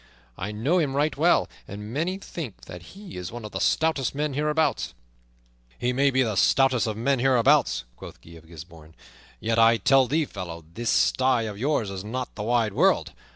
I know him right well, and many think that he is one of the stoutest men hereabouts." "He may be the stoutest of men hereabouts," quoth Guy of Gisbourne, "yet, I tell thee, fellow, this sty of yours is not the wide world.